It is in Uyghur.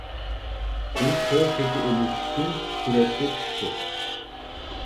بىز توي خېتى ئېلىش ئۈچۈن سۈرەتكە چۈشتۇق.